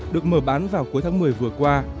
được mở bán vào cuối tháng một mươi vừa qua